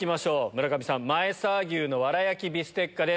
村上さん、前沢牛の藁焼きビステッカです。